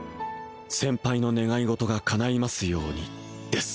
先輩の願い事が叶いますようにです